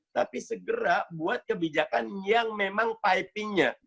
tapi segera buat kebijakan yang memang pipingnya